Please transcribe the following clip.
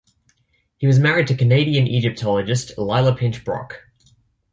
He was married to Canadian Egyptologist Lyla Pinch Brock.